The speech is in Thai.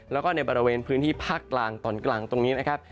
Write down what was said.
แล้วก็ในบริเวณพื้นที่ภาคกลางตอนกลางตรงนี้นะครับ